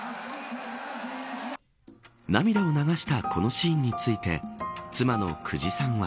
涙を流したこのシーンについて妻の久慈さんは。